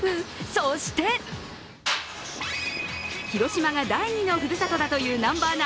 そして広島が第２のふるさとだという南波アナ